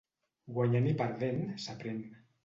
Guanyant i perdent, s'aprén.